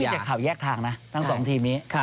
ก็ไม่มีจะข่าวแยกทางนะทั้งสองทีมนี้